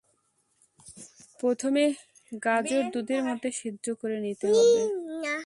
প্রথমে গাজর দুধের মধ্যে সিদ্ধ করে নিতে হবে।